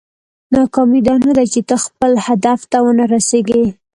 ناکامي دا نه ده چې ته خپل هدف ته ونه رسېږې.